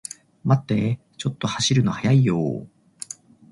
待ってー、ちょっと走るの速いよー